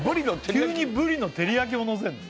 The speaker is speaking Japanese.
急にブリの照り焼きをのせるの？